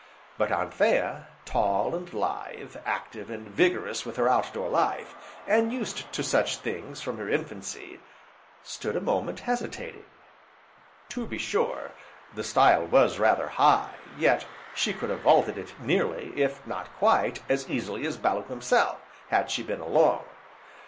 But Anthea, tall, and lithe, active and vigorous with her outdoor life, and used to such things from her infancy, stood a moment hesitating. To be sure, the stile was rather high, yet she could have vaulted it nearly, if not quite, as easily as Bellew himself, had she been alone.